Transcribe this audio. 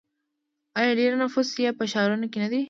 آیا ډیری نفوس یې په ښارونو کې نه دی؟